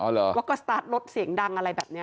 อ๋อเหรอว่าก็สตาร์ทรถเสียงดังอะไรแบบนี้